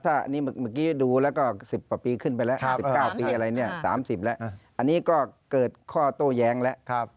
มักกรี๊ดูแล้วก็๑๐บทปีขึ้นไปแล้ว๑๙ปีอะไรเนี่ย๓๐และอันนี้ก็เกิดข้อโตแหยงและ